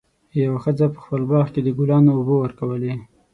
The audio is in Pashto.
یوه ښځه په خپل باغ کې د ګلانو اوبه ورکولې.